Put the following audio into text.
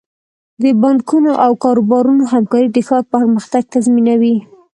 د بانکونو او کاروبارونو همکاري د ښار پرمختګ تضمینوي.